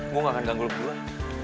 gue gak akan ganggu lu duluan